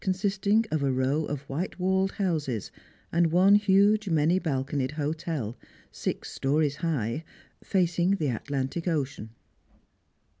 consisting of a re w of white walled houses and one huge many balconied hotel, six stones high, facing the Atlantic Ocean.